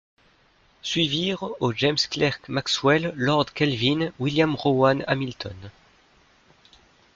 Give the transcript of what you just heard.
Suivirent au James Clerk Maxwell, Lord Kelvin, William Rowan Hamilton.